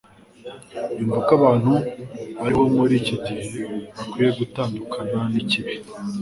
yumva ko abantu bariho muri iki gihe bakwiye gutandukana nikibi